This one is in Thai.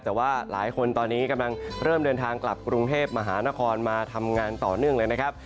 แต่ว่าหลายคนตอนนี้กำลังเริ่มเดินทางกลับกรุงเทพมหานครมาทำงานต่อเนื่องเลยนะครับ